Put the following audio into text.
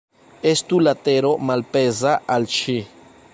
Estu la tero malpeza al ŝi.